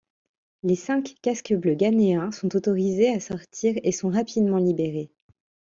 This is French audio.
Les cinq casques bleus ghanéens sont autorisés à sortir et sont rapidement libérés.